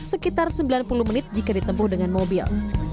sekitar sembilan puluh menit jika ditempuh dengan mobil